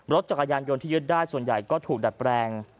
รถจักรยานยนต์ที่ยึดได้ส่วนใหญ่ก็ถูกดัดแปลง